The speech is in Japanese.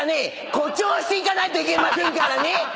誇張していかないといけませんからね！